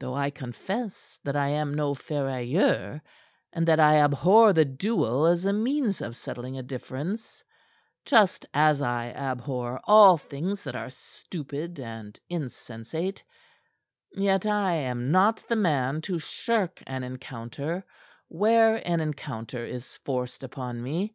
Though I confess that I am no ferrailleur, and that I abhor the duel as a means of settling a difference just as I abhor all things that are stupid and insensate, yet I am not the man to shirk an encounter where an encounter is forced upon me.